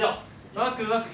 ワクワク。